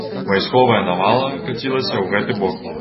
Вайсковая навала кацілася ў гэты бок.